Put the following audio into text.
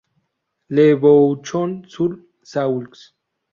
Le Bouchon-sur-Saulx